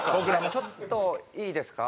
ちょっといいですか？